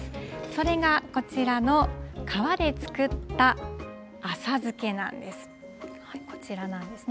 それがこちらの皮で作った浅漬けなんです。